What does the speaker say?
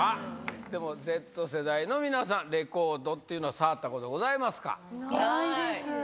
でもＺ世代の皆さん、レコードっていうのは触ったことございますないです。